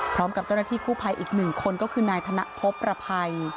พร้อมกับเจ้าหน้าที่กู้ภัยอีกหนึ่งคนก็คือนายธนพบประภัย